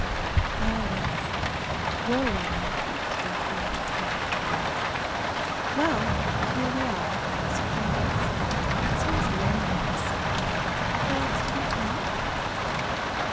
"Ah yes, you're young enough not to be afraid of perfect things. Well, here we are at the House of Dreams. It seems lonely this summer. The Fords didn't come?"